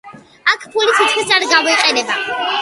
აქ ფული თითქმის არ გამოიყენება.